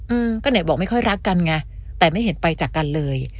อืมก็ไหนบอกไม่ค่อยรักกันไงแต่ไม่เห็นไปจากกันเลย